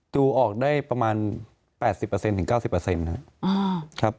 ดูออกได้ประมาณ๘๐๙๐ครับ